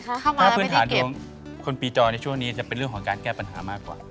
เข้ามาแล้วไม่ได้เก็บถ้าพื้นฐานตัวคนปีจรในช่วงนี้จะเป็นเรื่องของการแก้ปัญหามากกว่า